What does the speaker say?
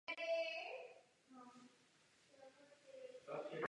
Noví biskupové byli zvoleni ve volbách.